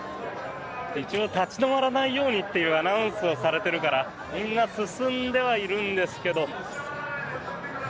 一応立ち止まらないようにというアナウンスはされているからみんな進んではいるんですけど。